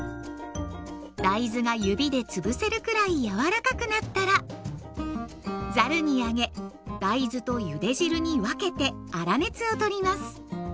大豆が指で潰せるくらい柔らかくなったらざるにあげ大豆とゆで汁に分けて粗熱を取ります。